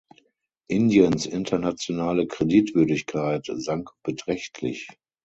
Indiens internationale Kreditwürdigkeit sank beträchtlich.